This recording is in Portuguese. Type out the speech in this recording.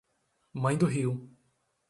Mãe do Rio